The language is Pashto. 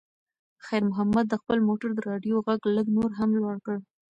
خیر محمد د خپل موټر د راډیو غږ لږ نور هم لوړ کړ.